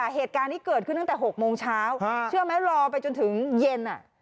เหตุการณ์นี้เกิดขึ้นตั้งแต่๖โมงเช้าเชื่อไหมรอไปจนถึงเย็น